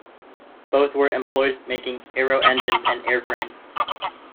Both were employed making aero engines and airframes.